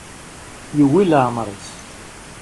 Yewwi leɛmer-is.